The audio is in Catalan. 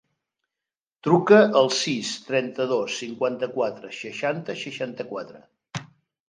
Truca al sis, trenta-dos, cinquanta-quatre, seixanta, seixanta-quatre.